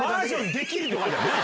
できるとかじゃない。